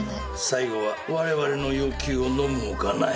最後は我々の要求をのむ他ない。